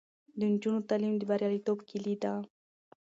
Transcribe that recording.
د نجونو تعلیم د بریالیتوب کیلي ده.